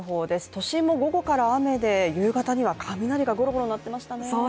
都心も午後から雨で夕方には雷がゴロゴロ鳴っていましたね。